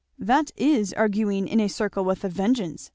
"That is arguing in a circle with a vengeance!"